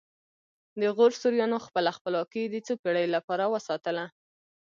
د غور سوریانو خپله خپلواکي د څو پیړیو لپاره وساتله